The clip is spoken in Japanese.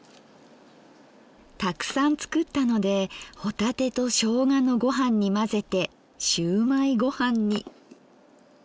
たくさん作ったので帆立てとしょうがのごはんに混ぜてしゅうまいごはんに。